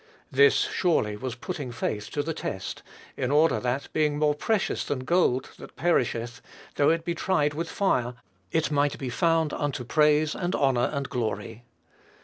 This, surely, was putting faith to the test, in order that, being more precious than gold that perisheth, though it be tried with fire, it might be found unto praise, and honor, and glory.